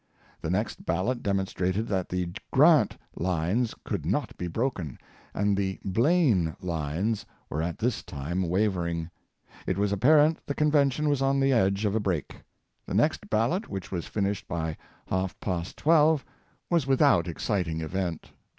The next ballot demonstrated that the Grant lines could not be broken, and the Blaine lines were at this time wavering:. It was apparent the Convention was on the edge of a break. The next ballot, which was finished by half past 12, was without exciting event.